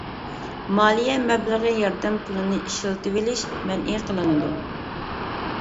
مالىيە مەبلىغى ياردەم پۇلىنى ئىشلىتىۋېلىش مەنئى قىلىنىدۇ.